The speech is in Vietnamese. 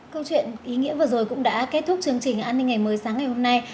câu chuyện ý nghĩa vừa rồi cũng đã kết thúc chương trình an ninh ngày mới sáng ngày hôm nay